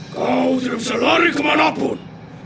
kau tidak bisa lari kemanapun